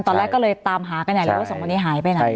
ตอนแรกก็เลยตามหากันอย่างเหลือว่า๒มันเนี่ยหายไปไหน